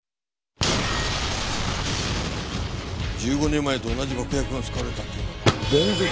１５年前と同じ爆薬が使われたって言うのか？